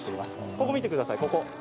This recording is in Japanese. ここ、見てください、ここ。